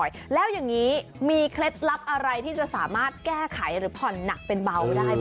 จะมี๓เคล็ดลับด้วยกันนะคะ